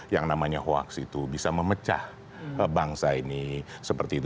yang namanya hoax itu bisa memecah bangsa ini seperti itu